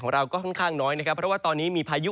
เราก็ค่อนข้างน้อยนะครับเพราะว่าตอนนี้มีพายุ